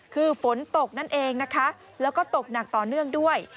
คือฝนตกนั่นเองนะคะแล้วก็ตกหนักต่อเนื่องด้วย